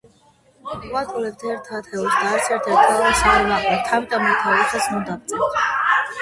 ვაკლებთ ერთ ათეულს და არცერთ ერთეულს არ ვაკლებთ, ამიტომ ერთეულებსაც ნუ დავწერთ.